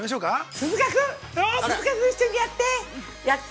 鈴鹿君一緒にやって。